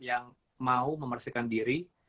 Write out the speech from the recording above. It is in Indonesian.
yang mau membersihkan diri